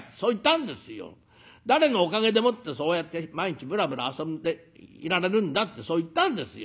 『誰のおかげでもってそうやって毎日ぶらぶら遊んでいられるんだ』ってそう言ったんですよ。